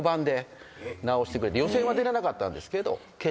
予選は出れなかったんですけど。